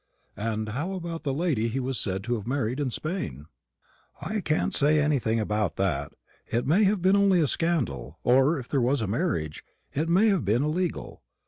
"And how about the lady he was said to have married in Spain?" "I can't say anything about that. It may have been only a scandal, or, if there was a marriage, it may have been illegal.